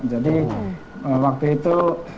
jadi waktu itu